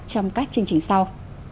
trong các chương trình sau